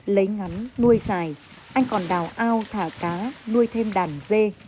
lấy ngắn nuôi dài anh còn đào ao thả cá nuôi thêm đàn dê